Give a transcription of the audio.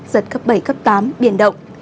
giật cấp bảy cấp tám biển động